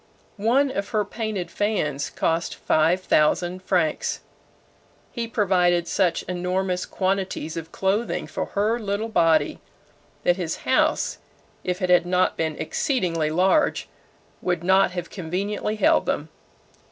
One of her painted fans cost five thousand francs. He provided such enormous quantities of clothing for her little body, that his house, if it had not been exceedingly large, would not have conveniently held them.